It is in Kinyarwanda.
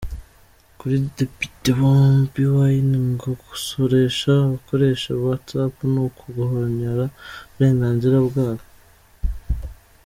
Kuri Depite Bobi Wine ngo gusoresha abakoresha whatsapp ni uguhonyora uburenganzira bwabo.